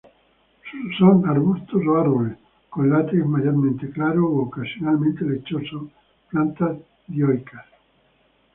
Son arbustos o árboles, con látex mayormente claro u ocasionalmente lechoso; plantas dioicas.